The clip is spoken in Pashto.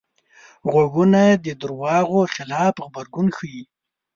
غوږونه د دروغو خلاف غبرګون ښيي